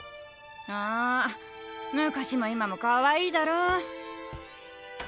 お昔も今もかわいいだろ。